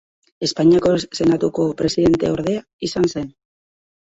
Espainiako senatuko presidenteorde izan zen.